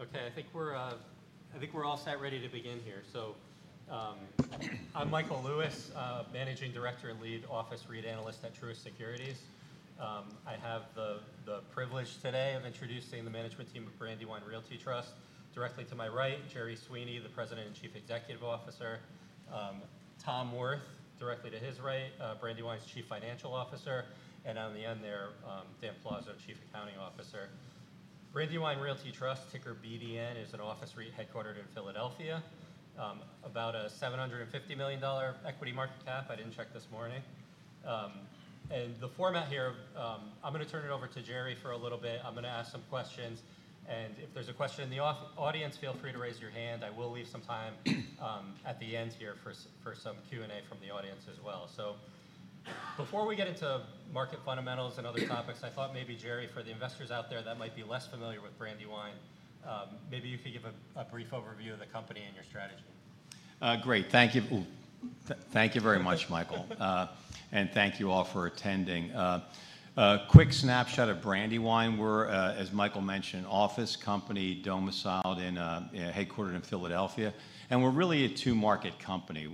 Okay, I think we're all set ready to begin here. So I'm Michael Lewis, Managing Director and Lead Office Realty Analyst at Truist Securities. I have the privilege today of introducing the management team of Brandywine Realty Trust. Directly to my right, Jerry Sweeney, the President and Chief Executive Officer. Tom Wirth, directly to his right, Brandywine's Chief Financial Officer. And on the end there, Dan Palazzo, Chief Accounting Officer. Brandywine Realty Trust, ticker BDN, is an office realty headquartered in Philadelphia, about a $750 million equity market cap. I didn't check this morning. The format here, I'm going to turn it over to Jerry for a little bit. I'm going to ask some questions. If there's a question in the audience, feel free to raise your hand. I will leave some time at the end here for some Q&A from the audience as well. Before we get into market fundamentals and other topics, I thought maybe, Jerry, for the investors out there that might be less familiar with Brandywine, maybe you could give a brief overview of the company and your strategy. Great. Thank you very much, Michael. Thank you all for attending. Quick snapshot of Brandywine. We're, as Michael mentioned, office company, headquartered in Philadelphia. We're really a two-market company.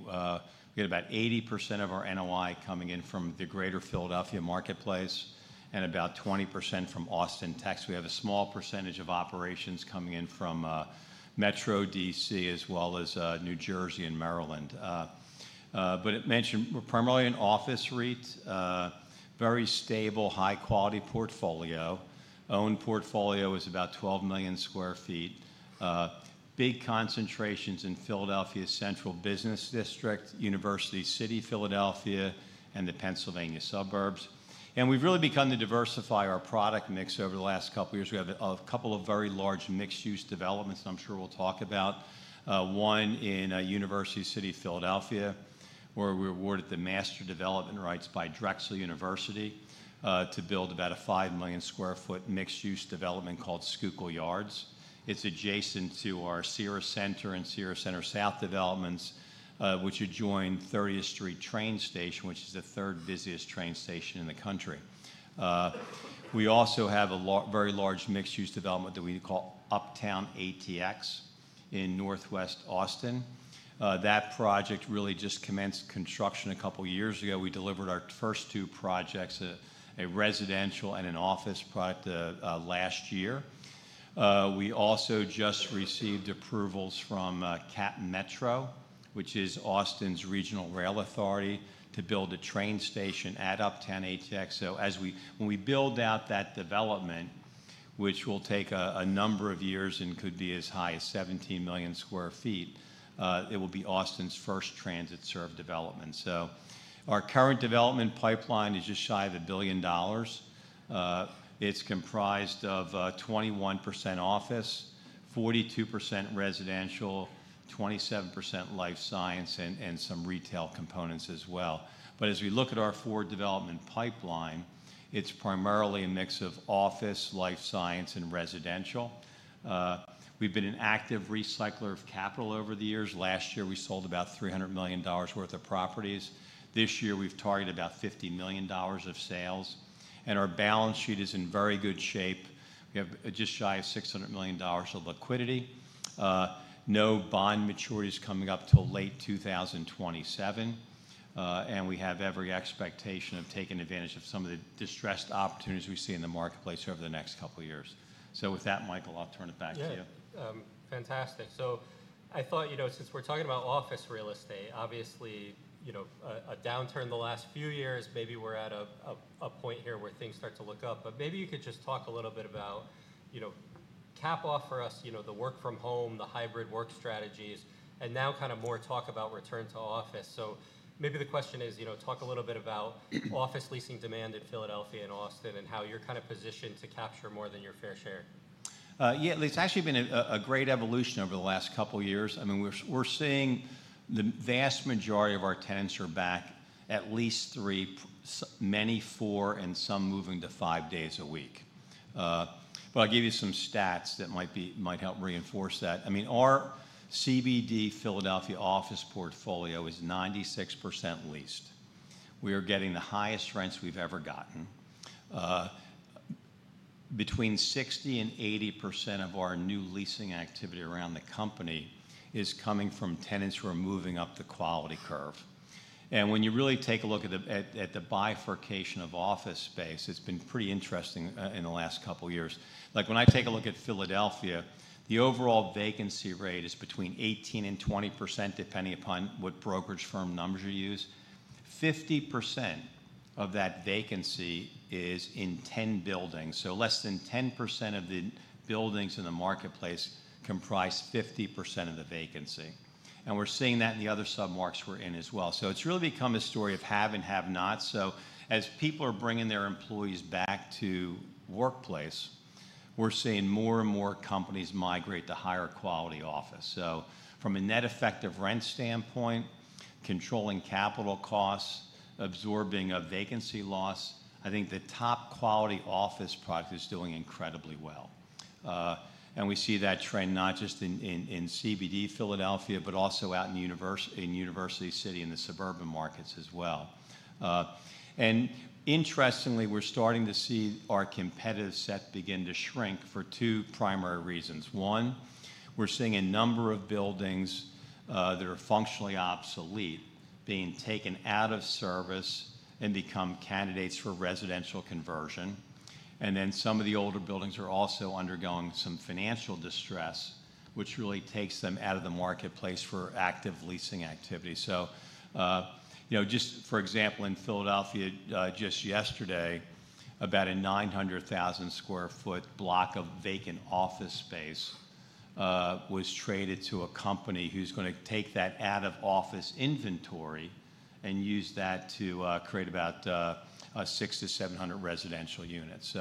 We get about 80% of our NOI coming in from the greater Philadelphia marketplace and about 20% from Austin, Texas. We have a small percentage of operations coming in from Metro D.C., as well as New Jersey and Maryland. As mentioned, we're primarily an office realty. Very stable, high-quality portfolio. Own portfolio is about 12 million sq ft. Big concentrations in Philadelphia's central business district, University City Philadelphia, and the Pennsylvania suburbs. We've really begun to diversify our product mix over the last couple of years. We have a couple of very large mixed-use developments I'm sure we'll talk about. One in University City Philadelphia, where we were awarded the master development rights by Drexel University to build about a 5 million sq ft mixed-use development called Schuylkill Yards. It's adjacent to our Cira Centre and Cira Centre South developments, which adjoin 30th Street train station, which is the third busiest train station in the country. We also have a very large mixed-use development that we call Uptown ATX in northwest Austin. That project really just commenced construction a couple of years ago. We delivered our first two projects, a residential and an office product, last year. We also just received approvals from CapMetro, which is Austin's regional rail authority, to build a train station at Uptown ATX. When we build out that development, which will take a number of years and could be as high as 17 million sq ft, it will be Austin's first transit-served development. Our current development pipeline is just shy of $1 billion. It is comprised of 21% office, 42% residential, 27% life science, and some retail components as well. As we look at our four-development pipeline, it is primarily a mix of office, life science, and residential. We have been an active recycler of capital over the years. Last year, we sold about $300 million worth of properties. This year, we have targeted about $50 million of sales. Our balance sheet is in very good shape. We have just shy of $600 million of liquidity. No bond maturities are coming up until late 2027. We have every expectation of taking advantage of some of the distressed opportunities we see in the marketplace over the next couple of years. With that, Michael, I will turn it back to you. Yeah. Fantastic. I thought, since we're talking about office real estate, obviously, a downturn the last few years, maybe we're at a point here where things start to look up. Maybe you could just talk a little bit about cap off for us, the work from home, the hybrid work strategies, and now kind of more talk about return-to-office. Maybe the question is, talk a little bit about office leasing demand in Philadelphia and Austin and how you're kind of positioned to capture more than your fair share. Yeah. It's actually been a great evolution over the last couple of years. I mean, we're seeing the vast majority of our tenants are back at least three, many four, and some moving to five days a week. I'll give you some stats that might help reinforce that. I mean, our CBD Philadelphia office portfolio is 96% leased. We are getting the highest rents we've ever gotten. Between 60% and 80% of our new leasing activity around the company is coming from tenants who are moving up the quality curve. When you really take a look at the bifurcation of office space, it's been pretty interesting in the last couple of years. Like when I take a look at Philadelphia, the overall vacancy rate is between 18%-20%, depending upon what brokerage firm numbers you use. 50% of that vacancy is in 10 buildings. Less than 10% of the buildings in the marketplace comprise 50% of the vacancy. We're seeing that in the other submarkets we're in as well. It has really become a story of have and have not. As people are bringing their employees back to the workplace, we're seeing more and more companies migrate to higher quality office. From a net effective rent standpoint, controlling capital costs, absorbing a vacancy loss, I think the top quality office product is doing incredibly well. We see that trend not just in CBD Philadelphia, but also out in University City and the suburban markets as well. Interestingly, we're starting to see our competitive set begin to shrink for two primary reasons. One, we're seeing a number of buildings that are functionally obsolete being taken out of service and become candidates for residential conversion. Some of the older buildings are also undergoing some financial distress, which really takes them out of the marketplace for active leasing activity. For example, in Philadelphia, just yesterday, about a 900,000 sq ft block of vacant office space was traded to a company who's going to take that out-of-office inventory and use that to create about 600-700 residential units.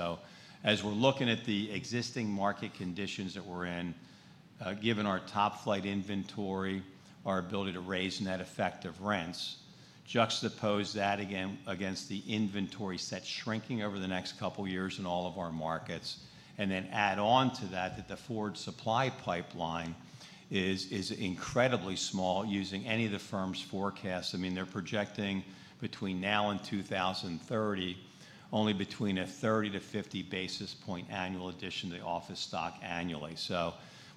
As we're looking at the existing market conditions that we're in, given our top flight inventory, our ability to raise net effective rents, juxtapose that again against the inventory set shrinking over the next couple of years in all of our markets, and then add on to that that the forward supply pipeline is incredibly small using any of the firm's forecasts. I mean, they're projecting between now and 2030, only between a 30-50 basis point annual addition to the office stock annually.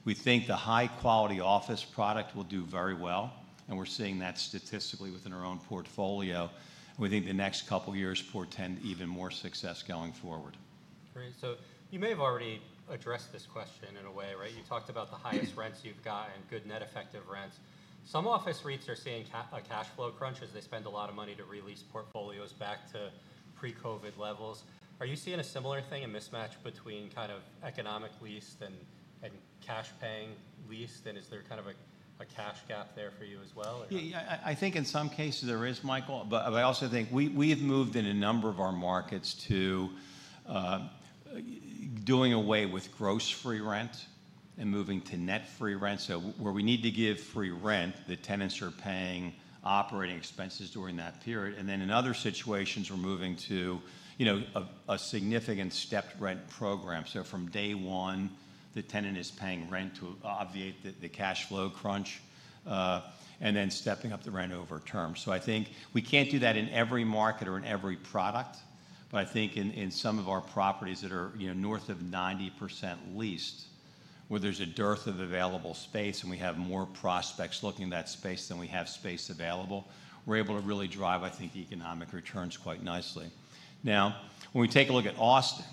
We think the high-quality office product will do very well. We're seeing that statistically within our own portfolio. We think the next couple of years portend even more success going forward. Great. You may have already addressed this question in a way, right? You talked about the highest rents you've got and good net effective rents. Some office realty are seeing a cash flow crunch as they spend a lot of money to release portfolios back to pre-COVID levels. Are you seeing a similar thing, a mismatch between kind of economic lease and cash-paying lease? Is there kind of a cash gap there for you as well? Yeah. I think in some cases there is, Michael. I also think we have moved in a number of our markets to doing away with gross free rent and moving to net free rent. Where we need to give free rent, the tenants are paying operating expenses during that period. In other situations, we're moving to a significant stepped rent program. From day one, the tenant is paying rent to obviate the cash flow crunch and then stepping up the rent over term. I think we can't do that in every market or in every product. I think in some of our properties that are north of 90% leased, where there's a dearth of available space and we have more prospects looking in that space than we have space available, we're able to really drive, I think, economic returns quite nicely. Now, when we take a look at Austin,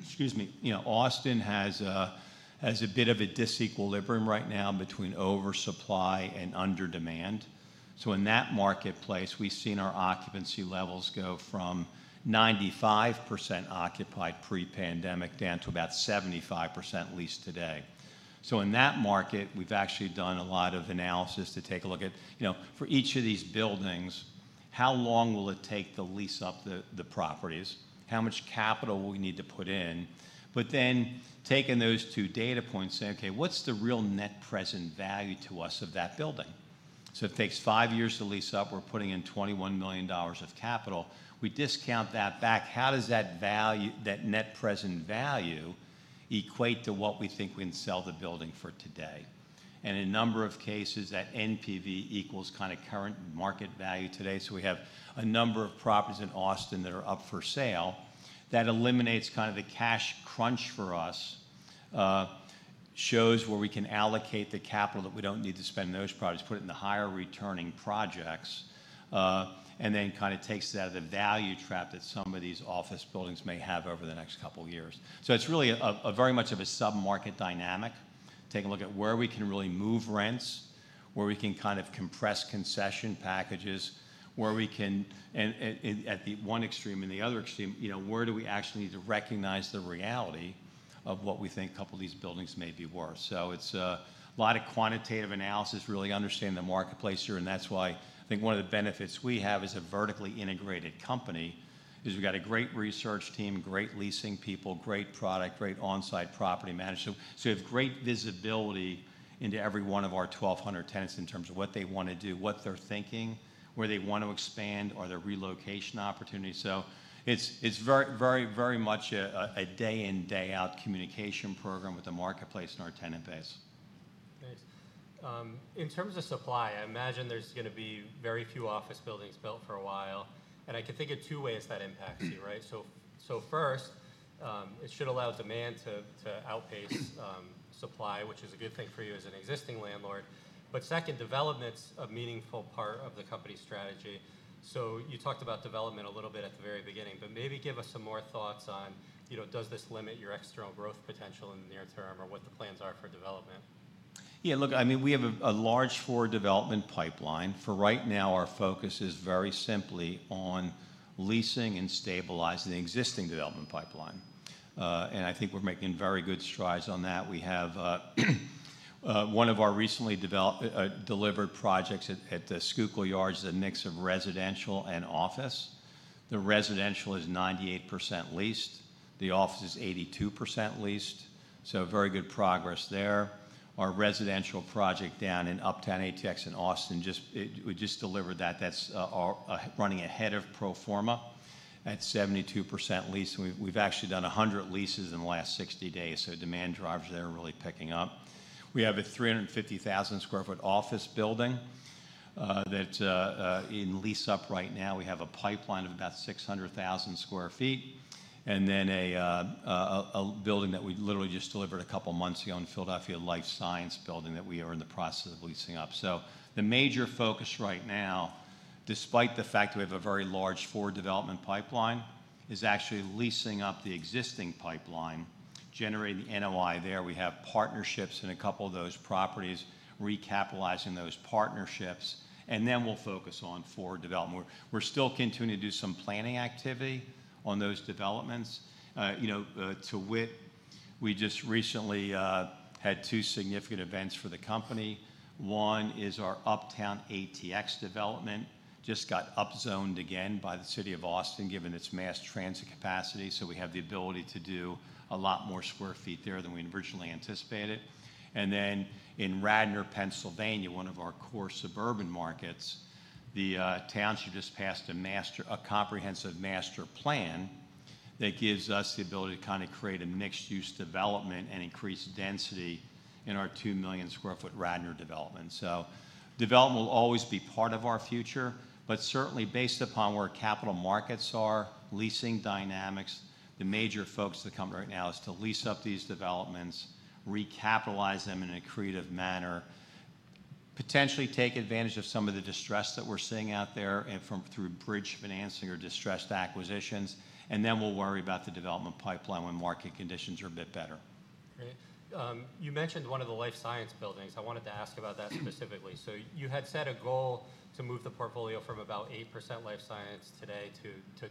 excuse me, Austin has a bit of a disequilibrium right now between oversupply and under-demand. In that marketplace, we've seen our occupancy levels go from 95% occupied pre-pandemic down to about 75% leased today. In that market, we've actually done a lot of analysis to take a look at, for each of these buildings, how long will it take to lease up the properties? How much capital will we need to put in? Then taking those two data points, saying, okay, what's the real net present value to us of that building? It takes five years to lease up. We're putting in $21 million of capital. We discount that back. How does that net present value equate to what we think we can sell the building for today? In a number of cases, that NPV equals kind of current market value today. We have a number of properties in Austin that are up for sale. That eliminates kind of the cash crunch for us, shows where we can allocate the capital that we do not need to spend on those properties, put it in the higher returning projects, and then kind of takes out of the value trap that some of these office buildings may have over the next couple of years. It is really very much of a submarket dynamic. Take a look at where we can really move rents, where we can kind of compress concession packages, where we can, at the one extreme and the other extreme, where do we actually need to recognize the reality of what we think a couple of these buildings may be worth. It is a lot of quantitative analysis, really understanding the marketplace here. That is why I think one of the benefits we have as a vertically integrated company is we have a great research team, great leasing people, great product, great onsite property management. We have great visibility into every one of our 1,200 tenants in terms of what they want to do, what they are thinking, where they want to expand, or their relocation opportunity. It is very, very much a day in, day out communication program with the marketplace and our tenant base. Nice. In terms of supply, I imagine there's going to be very few office buildings built for a while. I can think of two ways that impacts you, right? First, it should allow demand to outpace supply, which is a good thing for you as an existing landlord. Second, development's a meaningful part of the company's strategy. You talked about development a little bit at the very beginning. Maybe give us some more thoughts on, does this limit your external growth potential in the near term or what the plans are for development? Yeah. Look, I mean, we have a large four-development pipeline. For right now, our focus is very simply on leasing and stabilizing the existing development pipeline. I think we're making very good strides on that. We have one of our recently delivered projects at the Schuylkill Yards, which is a mix of residential and office. The residential is 98% leased. The office is 82% leased. Very good progress there. Our residential project down in Uptown ATX in Austin, we just delivered that. That's running ahead of Proforma at 72% leased. We've actually done 100 leases in the last 60 days. Demand drivers there are really picking up. We have a 350,000 sq ft office building that's in lease up right now. We have a pipeline of about 600,000 sq ft. A building that we literally just delivered a couple of months ago in Philadelphia, a life science building that we are in the process of leasing up. The major focus right now, despite the fact that we have a very large four-development pipeline, is actually leasing up the existing pipeline, generating the NOI there. We have partnerships in a couple of those properties, recapitalizing those partnerships. We will focus on four-development. We are still continuing to do some planning activity on those developments. To wit, we just recently had two significant events for the company. One is our Uptown ATX development. It just got upzoned again by the city of Austin given its mass transit capacity. We have the ability to do a lot more square feet there than we originally anticipated. In Radnor, Pennsylvania, one of our core suburban markets, the township just passed a comprehensive master plan that gives us the ability to kind of create a mixed-use development and increase density in our 2 million sq ft Radnor development. Development will always be part of our future. Certainly, based upon where capital markets are, leasing dynamics, the major focus of the company right now is to lease up these developments, recapitalize them in a creative manner, potentially take advantage of some of the distress that we're seeing out there through bridge financing or distressed acquisitions. We will worry about the development pipeline when market conditions are a bit better. Great. You mentioned one of the life science buildings. I wanted to ask about that specifically. You had set a goal to move the portfolio from about 8% life science today to 25%.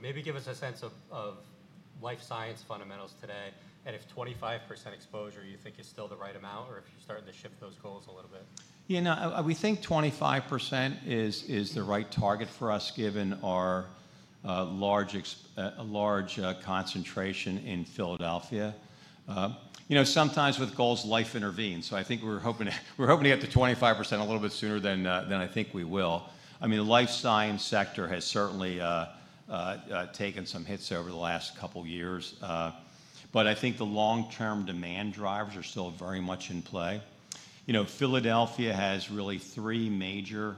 Maybe give us a sense of life science fundamentals today. If 25% exposure, you think is still the right amount or if you're starting to shift those goals a little bit? You know. We think 25% is the right target for us given our large concentration in Philadelphia. Sometimes with goals, life intervenes. I think we're hoping to get to 25% a little bit sooner than I think we will. I mean, the life science sector has certainly taken some hits over the last couple of years. I think the long-term demand drivers are still very much in play. Philadelphia has really three major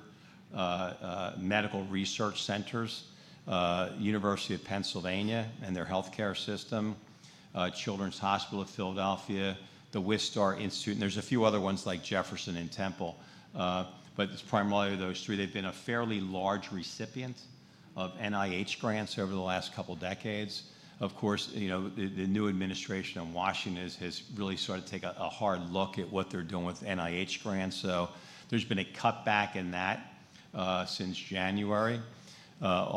medical research centers: University of Pennsylvania and their healthcare system, Children's Hospital of Philadelphia, the Wistar Institute. There's a few other ones like Jefferson and Temple. It's primarily those three. They've been a fairly large recipient of NIH grants over the last couple of decades. Of course, the new administration in Washington has really started to take a hard look at what they're doing with NIH grants. There's been a cutback in that since January,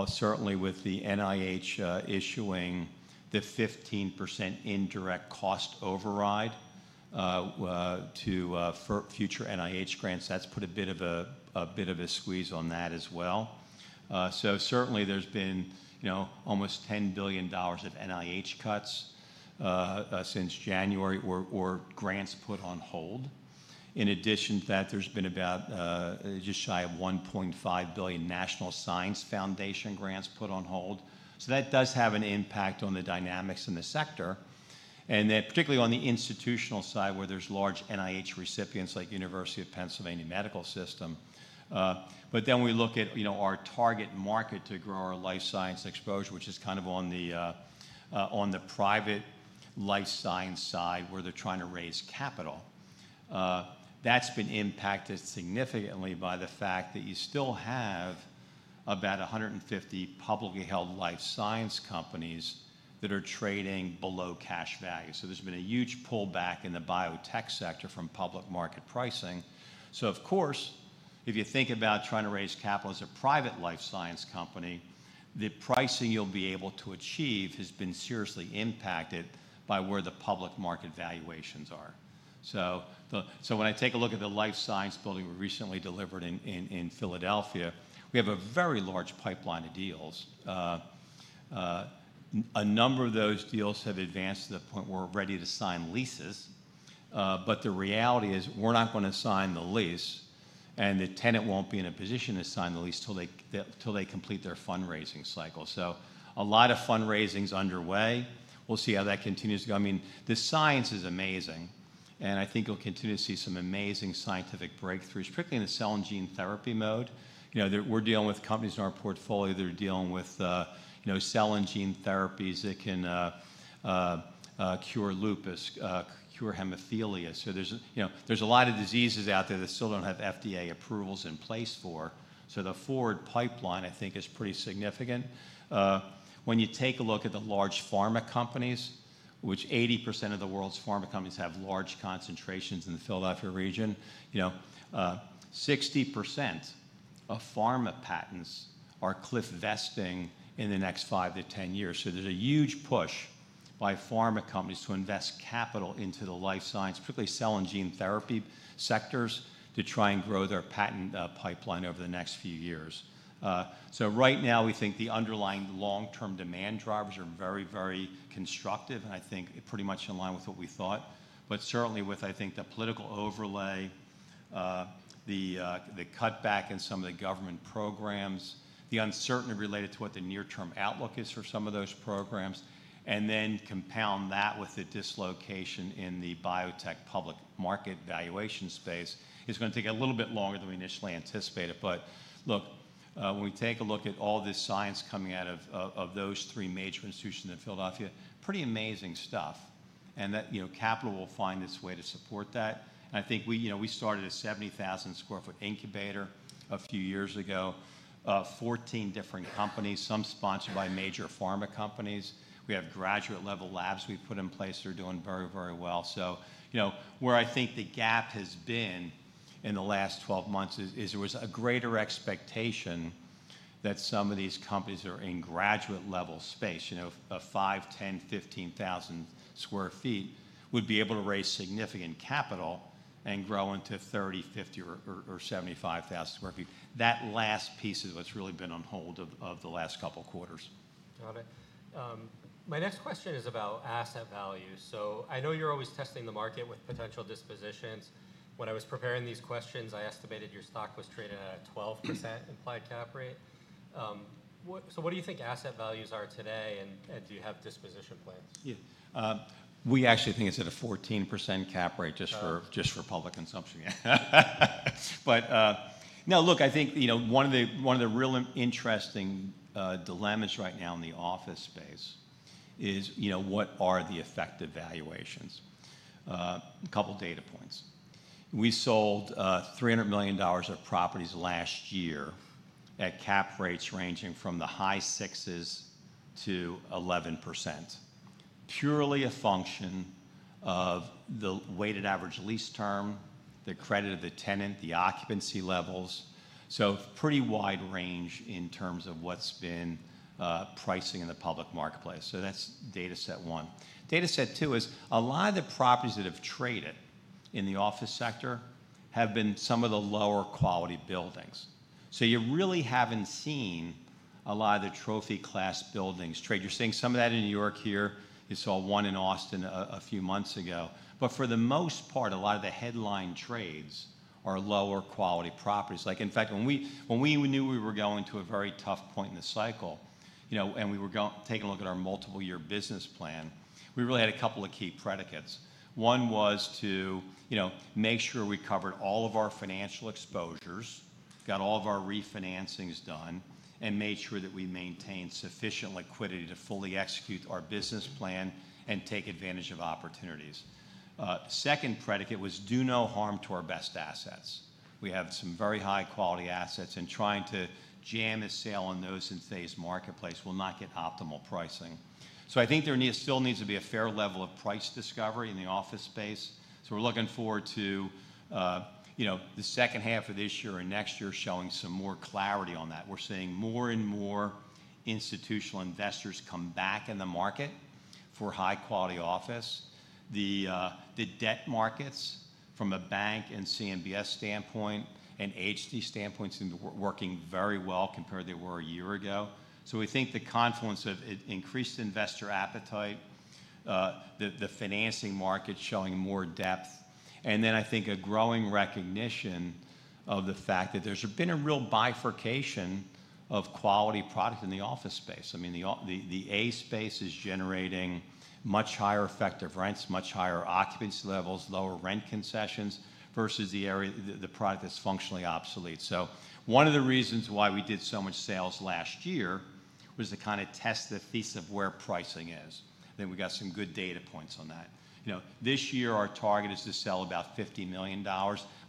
certainly with the NIH issuing the 15% indirect cost override to future NIH grants. That's put a bit of a squeeze on that as well. Certainly, there's been almost $10 billion of NIH cuts since January or grants put on hold. In addition to that, there's been about just shy of $1.5 billion National Science Foundation grants put on hold. That does have an impact on the dynamics in the sector. Particularly on the institutional side where there's large NIH recipients like University of Pennsylvania Medical System. We look at our target market to grow our life science exposure, which is kind of on the private life science side where they're trying to raise capital. That's been impacted significantly by the fact that you still have about 150 publicly held life science companies that are trading below cash value. There's been a huge pullback in the biotech sector from public market pricing. If you think about trying to raise capital as a private life science company, the pricing you'll be able to achieve has been seriously impacted by where the public market valuations are. When I take a look at the life science building we recently delivered in Philadelphia, we have a very large pipeline of deals. A number of those deals have advanced to the point where we're ready to sign leases. The reality is we're not going to sign the lease, and the tenant won't be in a position to sign the lease until they complete their fundraising cycle. A lot of fundraising's underway. We'll see how that continues to go. I mean, the science is amazing. I think you'll continue to see some amazing scientific breakthroughs strictly in the cell and gene therapy mode. We're dealing with companies in our portfolio. They're dealing with cell and gene therapies that can cure lupus, cure hemophilia. There are a lot of diseases out there that still don't have FDA approvals in place for. The forward pipeline, I think, is pretty significant. When you take a look at the large pharma companies, 80% of the world's pharma companies have large concentrations in the Philadelphia region, 60% of pharma patents are cliff vesting in the next 5-10 years. There's a huge push by pharma companies to invest capital into the life science, particularly cell and gene therapy sectors, to try and grow their patent pipeline over the next few years. Right now, we think the underlying long-term demand drivers are very, very constructive. I think pretty much in line with what we thought. Certainly with, I think, the political overlay, the cutback in some of the government programs, the uncertainty related to what the near-term outlook is for some of those programs, and then compound that with the dislocation in the biotech public market valuation space, it is going to take a little bit longer than we initially anticipated. Look, when we take a look at all this science coming out of those three major institutions in Philadelphia, pretty amazing stuff. Capital will find its way to support that. I think we started a 70,000 sq ft incubator a few years ago, 14 different companies, some sponsored by major pharma companies. We have graduate-level labs we have put in place that are doing very, very well. Where I think the gap has been in the last 12 months is there was a greater expectation that some of these companies that are in graduate-level space, a 5,000, 10,000, 15,000 sq ft, would be able to raise significant capital and grow into 30, 000, 50, or 75,000 sq ft. That last piece is what's really been on hold over the last couple of quarters. Got it. My next question is about asset values. I know you're always testing the market with potential dispositions. When I was preparing these questions, I estimated your stock was traded at a 12% implied cap rate. What do you think asset values are today? Do you have disposition plans? Yeah. We actually think it's at a 14% cap rate just for public consumption. Now, look, I think one of the real interesting dilemmas right now in the office space is what are the effective valuations? A couple of data points. We sold $300 million of properties last year at cap rates ranging from the high sixes to 11%, purely a function of the weighted average lease term, the credit of the tenant, the occupancy levels. So pretty wide range in terms of what's been pricing in the public marketplace. That's data set one. Data set two is a lot of the properties that have traded in the office sector have been some of the lower quality buildings. You really haven't seen a lot of the trophy class buildings trade. You're seeing some of that in New York here. You saw one in Austin a few months ago. For the most part, a lot of the headline trades are lower quality properties. In fact, when we knew we were going to a very tough point in the cycle and we were taking a look at our multiple-year business plan, we really had a couple of key predicates. One was to make sure we covered all of our financial exposures, got all of our refinancings done, and made sure that we maintained sufficient liquidity to fully execute our business plan and take advantage of opportunities. The second predicate was do no harm to our best assets. We have some very high-quality assets. Trying to jam a sale on those in today's marketplace will not get optimal pricing. I think there still needs to be a fair level of price discovery in the office space. We're looking forward to the second half of this year and next year showing some more clarity on that. We're seeing more and more institutional investors come back in the market for high-quality office. The debt markets from a bank and CMBS standpoint and HD standpoint seem to be working very well compared to they were a year ago. We think the confluence of increased investor appetite, the financing market showing more depth, and then I think a growing recognition of the fact that there's been a real bifurcation of quality product in the office space. I mean, the A space is generating much higher effective rents, much higher occupancy levels, lower rent concessions versus the product that's functionally obsolete. One of the reasons why we did so much sales last year was to kind of test the thesis of where pricing is. I think we got some good data points on that. This year, our target is to sell about $50 million.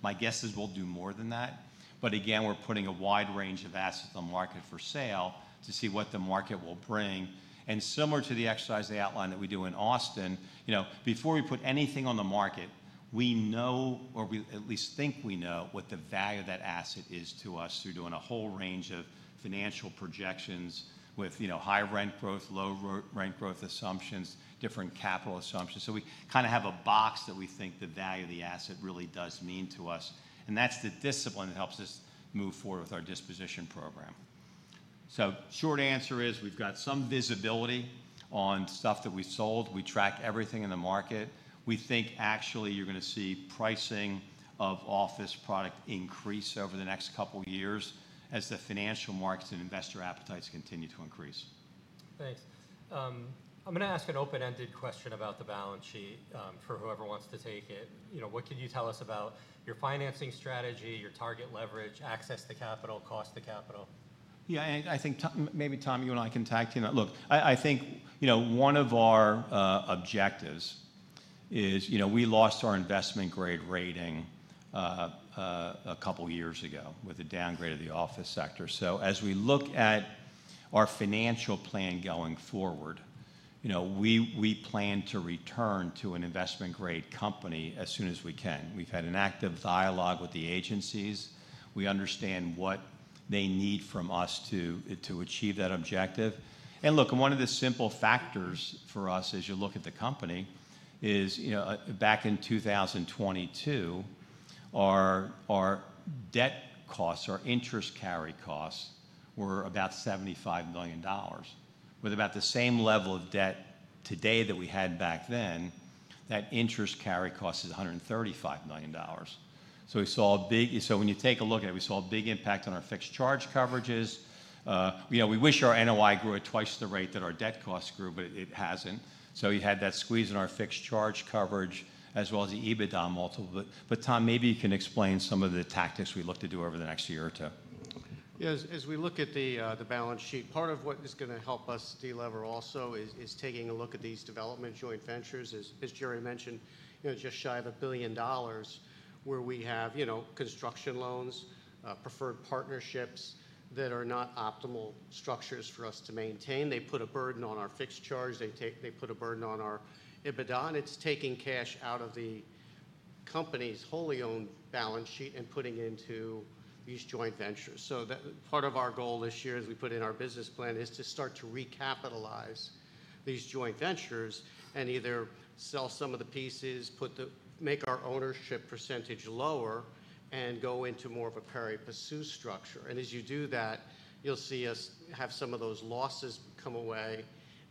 My guess is we'll do more than that. Again, we're putting a wide range of assets on the market for sale to see what the market will bring. Similar to the exercise outline that we do in Austin, before we put anything on the market, we know, or we at least think we know, what the value of that asset is to us through doing a whole range of financial projections with high rent growth, low rent growth assumptions, different capital assumptions. We kind of have a box that we think the value of the asset really does mean to us. That's the discipline that helps us move forward with our disposition program. Short answer is we've got some visibility on stuff that we sold. We track everything in the market. We think actually you're going to see pricing of office product increase over the next couple of years as the financial markets and investor appetites continue to increase. Thanks. I'm going to ask an open-ended question about the balance sheet for whoever wants to take it. What can you tell us about your financing strategy, your target leverage, access to capital, cost to capital? Yeah. I think maybe Tom, you and I can tag team. Look, I think one of our objectives is we lost our investment grade rating a couple of years ago with a downgrade of the office sector. As we look at our financial plan going forward, we plan to return to an investment grade company as soon as we can. We've had an active dialogue with the agencies. We understand what they need from us to achieve that objective. Look, one of the simple factors for us as you look at the company is back in 2022, our debt costs, our interest carry costs were about $75 million. With about the same level of debt today that we had back then, that interest carry cost is $135 million. When you take a look at it, we saw a big impact on our fixed charge coverages. We wish our NOI grew at twice the rate that our debt costs grew, but it hasn't. We had that squeeze in our fixed charge coverage as well as the EBITDA multiple. Tom, maybe you can explain some of the tactics we look to do over the next year or two. Yeah. As we look at the balance sheet, part of what is going to help us deliver also is taking a look at these development joint ventures. As Jerry mentioned, just shy of a billion dollars where we have construction loans, preferred partnerships that are not optimal structures for us to maintain. They put a burden on our fixed charge. They put a burden on our EBITDA. It is taking cash out of the company's wholly owned balance sheet and putting into these joint ventures. Part of our goal this year as we put in our business plan is to start to recapitalize these joint ventures and either sell some of the pieces, make our ownership percentage lower, and go into more of a pari passu structure. As you do that, you'll see us have some of those losses come away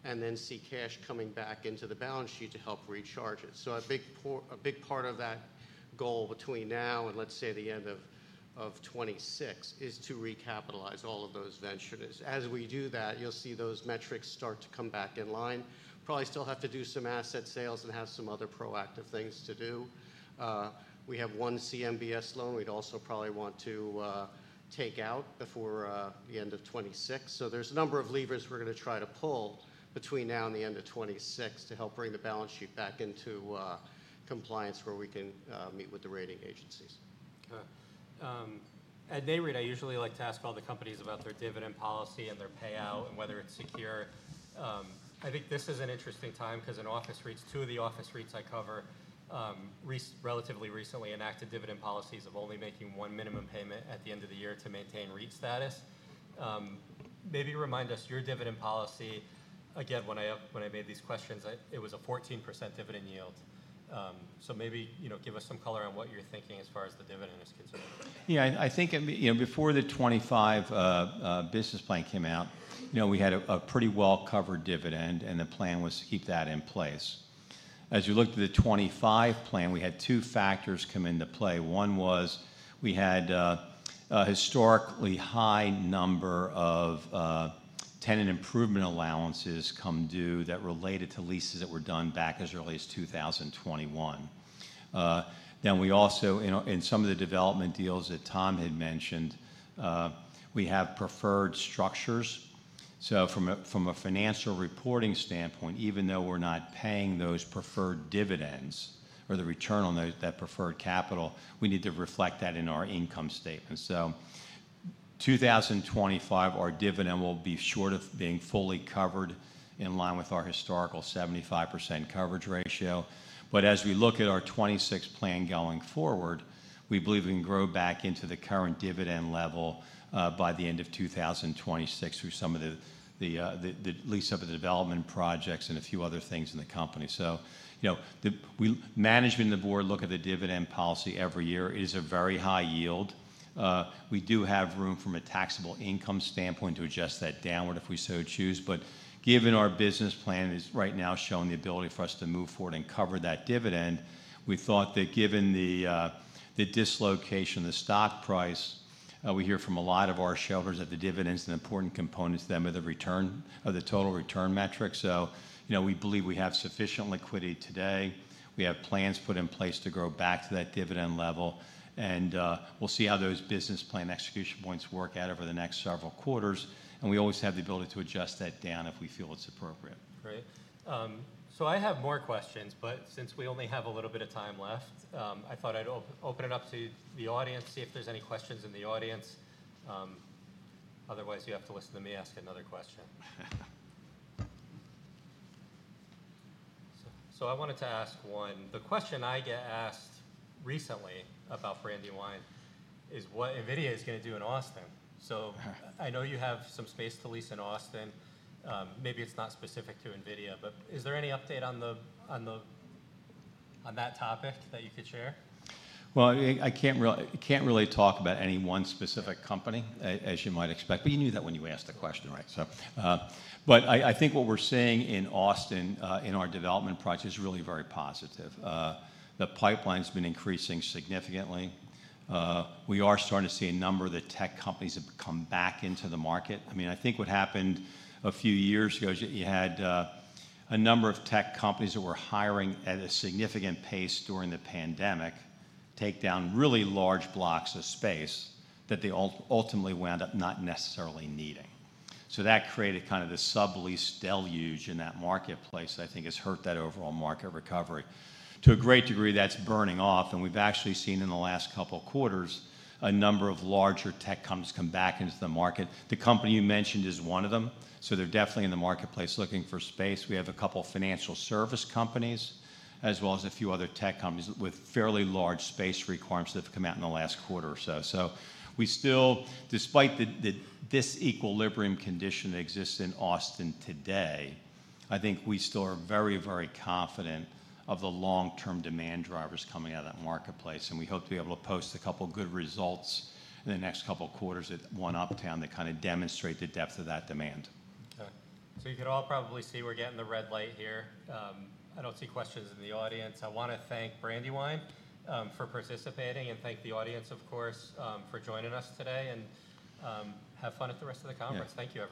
and then see cash coming back into the balance sheet to help recharge it. A big part of that goal between now and let's say the end of 2026 is to recapitalize all of those ventures. As we do that, you'll see those metrics start to come back in line. Probably still have to do some asset sales and have some other proactive things to do. We have one CMBS loan we'd also probably want to take out before the end of 2026. There are a number of levers we're going to try to pull between now and the end of 2026 to help bring the balance sheet back into compliance where we can meet with the rating agencies. They were usually like to ask all the companies about their dividend policy and their payout and whether it is secure. I think this is an interesting time because in office REITs, two of the office REITs I cover relatively recently enacted dividend policies of only making one minimum payment at the end of the year to maintain REIT status. Maybe remind us your dividend policy. Again, when I made these questions, it was a 14% dividend yield. Maybe give us some color on what you are thinking as far as the dividend is concerned. Yeah. I think before the 2025 business plan came out, we had a pretty well-covered dividend. The plan was to keep that in place. As we looked at the 2025 plan, we had two factors come into play. One was we had a historically high number of tenant improvement allowances come due that related to leases that were done back as early as 2021. We also, in some of the development deals that Tom had mentioned, have preferred structures. From a financial reporting standpoint, even though we're not paying those preferred dividends or the return on that preferred capital, we need to reflect that in our income statements. In 2025, our dividend will be short of being fully covered in line with our historical 75% coverage ratio. As we look at our 2026 plan going forward, we believe we can grow back into the current dividend level by the end of 2026 through some of the lease of the development projects and a few other things in the company. Management and the board look at the dividend policy every year. It is a very high yield. We do have room from a taxable income standpoint to adjust that downward if we so choose. Given our business plan is right now showing the ability for us to move forward and cover that dividend, we thought that given the dislocation of the stock price, we hear from a lot of our shareholders that the dividends are an important component to them of the return of the total return metric. We believe we have sufficient liquidity today. We have plans put in place to grow back to that dividend level. We will see how those business plan execution points work out over the next several quarters. We always have the ability to adjust that down if we feel it is appropriate. Great. I have more questions. Since we only have a little bit of time left, I thought I'd open it up to the audience, see if there's any questions in the audience. Otherwise, you have to listen to me ask another question. I wanted to ask one. The question I get asked recently about Brandywine is what NVIDIA is going to do in Austin. I know you have some space to lease in Austin. Maybe it's not specific to NVIDIA. Is there any update on that topic that you could share? I can't really talk about any one specific company, as you might expect. You knew that when you asked the question, right? I think what we're seeing in Austin in our development project is really very positive. The pipeline has been increasing significantly. We are starting to see a number of the tech companies have come back into the market. I mean, I think what happened a few years ago, you had a number of tech companies that were hiring at a significant pace during the pandemic take down really large blocks of space that they ultimately wound up not necessarily needing. That created kind of the sublease deluge in that marketplace that I think has hurt that overall market recovery. To a great degree, that's burning off. We have actually seen in the last couple of quarters a number of larger tech companies come back into the market. The company you mentioned is one of them. They are definitely in the marketplace looking for space. We have a couple of financial service companies as well as a few other tech companies with fairly large space requirements that have come out in the last quarter or so. Despite this equilibrium condition that exists in Austin today, I think we still are very, very confident of the long-term demand drivers coming out of that marketplace. We hope to be able to post a couple of good results in the next couple of quarters at One Uptown that kind of demonstrate the depth of that demand. You can all probably see we're getting the red light here. I don't see questions in the audience. I want to thank Brandywine for participating and thank the audience, of course, for joining us today. Have fun at the rest of the conference. Thank you.